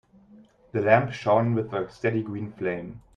The lamp shone with a steady green flame.